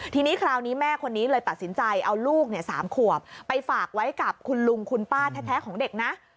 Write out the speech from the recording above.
ทีนี้คราวนี้แม่คนนี้เลยตัดสินใจเอาลูก๓ขวบไปฝากไว้กับคุณลุงคุณป้าแท้ของเด็กนะ